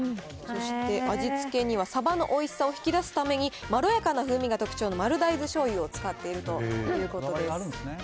そして味付けには、サバのおいしさを引き出すために、まろやかな風味が特徴の丸大豆しょうゆを使っているということです。